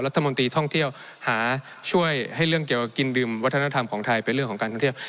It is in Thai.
ท่องเที่ยวหาช่วยให้เรื่องเกี่ยวกับกินดื่มวัฒนธรรมของไทยเป็นเรื่องของการท่องเที่ยว